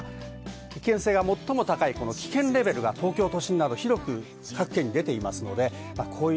危険性が最も高い危険レベルが東京都心など広く各県に出ています。